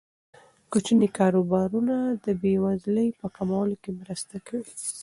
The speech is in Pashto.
کوچني کاروبارونه د بې وزلۍ په کمولو کې مرسته کوي.